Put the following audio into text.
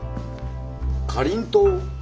かりんとう？